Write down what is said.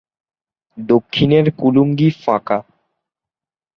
দক্ষিণের কুলুঙ্গি ফাঁকা।